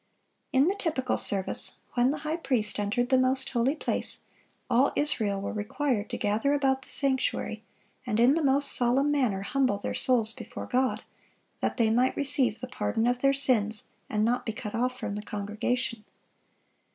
In the typical service, when the high priest entered the most holy place, all Israel were required to gather about the sanctuary, and in the most solemn manner humble their souls before God, that they might receive the pardon of their sins, and not be cut off from the congregation.